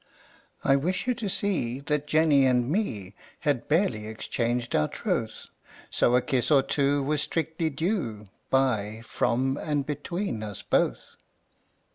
I wish you to see that Jenny and Me Had barely exchanged our troth; So a kiss or two was strictly due By, from, and between us both.